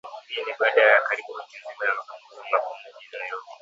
Hii ni baada ya karibu wiki nzima ya mazungumzo magumu mjini Nairobi